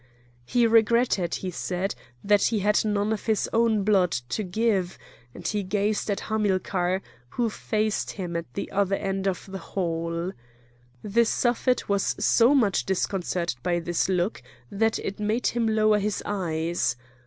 He regretted, he said, that he had none of his own blood to give; and he gazed at Hamilcar, who faced him at the other end of the hall. The Suffet was so much disconcerted by this look that it made him lower his eyes.